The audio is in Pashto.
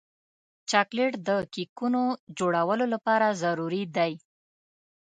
چاکلېټ د کیکونو جوړولو لپاره ضروري دی.